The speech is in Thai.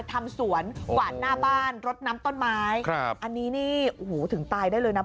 ทำสวนกวาดหน้าบ้านรดน้ำต้นไม้ครับอันนี้นี่โอ้โหถึงตายได้เลยนะ